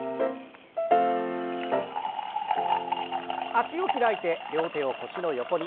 脚を開いて両手を腰の横に。